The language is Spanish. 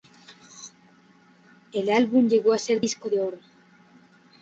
El álbum llegó a ser disco de oro.